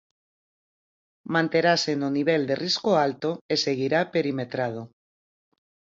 Manterase no nivel de risco alto e seguirá perimetrado.